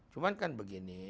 cuma kan begini